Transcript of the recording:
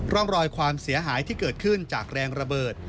ร่องรอยความเสียหายที่เกิดขึ้นจากแรงระเบิด